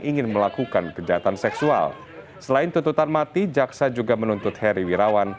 ingin melakukan kejahatan seksual selain tuntutan mati jaksa juga menuntut heri wirawan